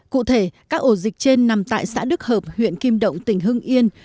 cụ thể các ổ dịch trên nằm tại xã đức hợp huyện kim động tỉnh hưng yên